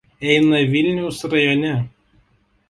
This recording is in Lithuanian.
Eina Vilniaus rajone.